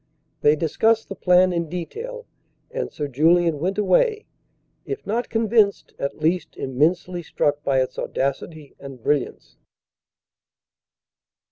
They discussed the plan in detail, and Sir Julian went away, if not convinced, at least immensely struck by its audacity and brilliance.